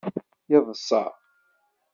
Yeḍṣa.